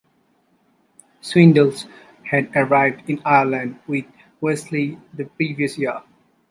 Swindells had arrived in Ireland with Wesley the previous year.